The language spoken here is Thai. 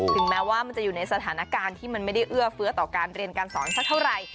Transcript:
แม้ว่ามันจะอยู่ในสถานการณ์ที่มันไม่ได้เอื้อเฟื้อต่อการเรียนการสอนสักเท่าไหร่